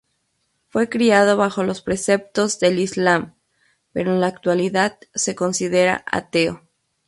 Fue criado bajo los preceptos del Islam, pero en la actualidad se considera ateo.